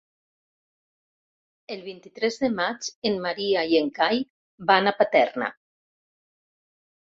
El vint-i-tres de maig en Maria i en Cai van a Paterna.